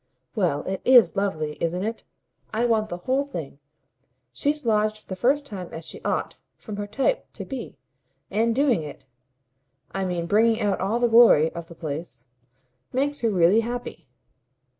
"Well, it IS lovely, isn't it? I want the whole thing. She's lodged for the first time as she ought, from her type, to be; and doing it I mean bringing out all the glory of the place makes her really happy.